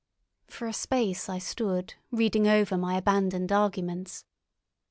For a space I stood reading over my abandoned arguments.